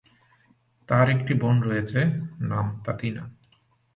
তার একটি বোন রয়েছে, নাম তাতিনা।